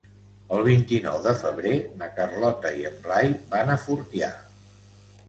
El vint-i-nou de febrer na Carlota i en Blai van a Fortià.